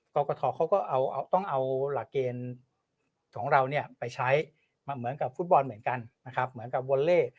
กรทเขาก็ต้องเอาหลักเกณฑ์ของเราไปใช้เหมือนกับฟุตบอลเหมือนกันเหมือนกับวอเล่